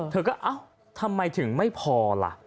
เธอก็เอ้าทำไมถึงไม่พอล่ะ